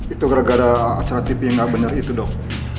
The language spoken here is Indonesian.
itu gara gara acara tv yang gak bener itu dong